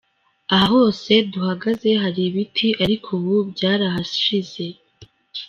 Aha hose duhagaze hari ibiti ariko ubu byarahashije.